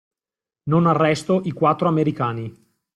Non arresto i quattro americani.